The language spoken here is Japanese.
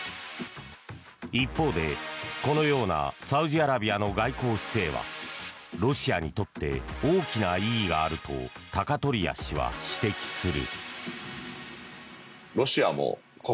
一方でこのようなサウジアラビアの外交姿勢はロシアにとって大きな意義があると鷹鳥屋氏は指摘する。